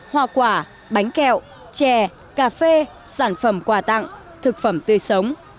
hoa quả bánh kẹo chè cà phê sản phẩm quà tặng thực phẩm tươi sống